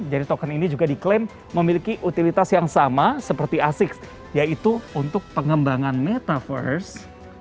jadi token ini juga diklaim memiliki utilitas yang sama seperti asics yaitu untuk pengembangan metaverse